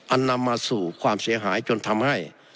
นำมาสู่ความเสียหายจนทำให้